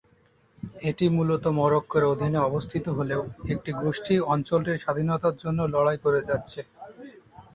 এটি মূলত মরক্কোর অধীনে অবস্থিত হলেও একটি গোষ্ঠী অঞ্চলটির স্বাধীনতার জন্য লড়াই করে যাচ্ছে।